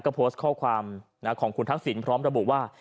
ก็โพสต์ข้อความของคุณทักษิณพร้อมระบุว่า